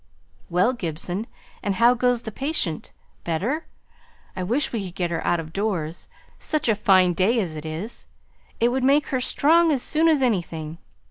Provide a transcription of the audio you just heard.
"Well, Gibson, and how goes the patient? Better? I wish we could get her out of doors, such a fine day as it is. It would make her strong as soon as anything.